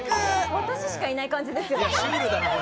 私しかいない感じですよ。